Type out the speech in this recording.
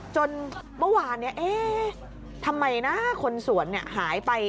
จนเมื่อวานเนี่ยเอ๊ะทำไมนะคนสวนเนี่ยหายไป